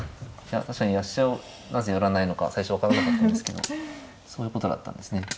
確かに飛車をなぜ寄らないのか最初分からなかったんですけどそういうことだったんですね。